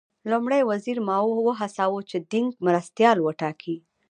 لومړي وزیر ماوو وهڅاوه چې دینګ مرستیال وټاکي.